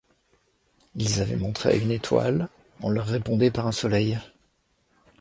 Ils avaient montré une étoile, on leur répondait par un soleil!